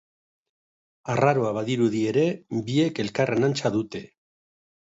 Arraroa badirudi ere, biek elkarren antza dute.